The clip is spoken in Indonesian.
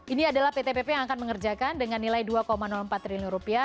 ini adalah pt pp yang akan mengerjakan dengan nilai dua empat triliun rupiah